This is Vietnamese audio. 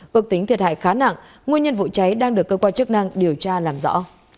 cực tính thiệt hại khá nặng nguyên nhân vụ cháy đang được cơ quan chức năng điều tra làm rõ